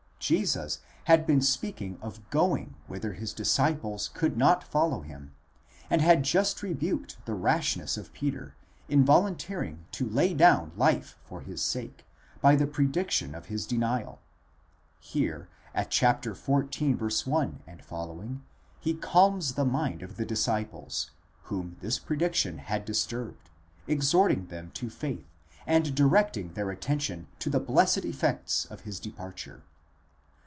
Jesus had been speaking of going whither his disciples could not follow him, and had just rebuked the rashness of Peter, in volunteering to lay down life for his sake, by the prediction of his denial: here, at xiv. 1 ff., he calms the minds of the disciples, whom this prediction had disturbed, exhorting them to faith, and directing their attention to the blessed effects of his departure.